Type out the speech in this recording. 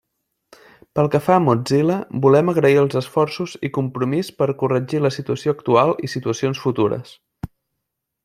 Pel que fa a Mozilla, volem agrair els esforços i compromís per corregir la situació actual i situacions futures.